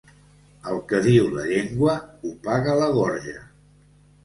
El que diu la llengua ho paga la gorja.